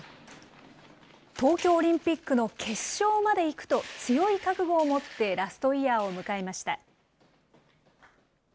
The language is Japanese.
東京オリンピックの決勝まで行くと強い覚悟を持って、ラストイヤーを迎えました。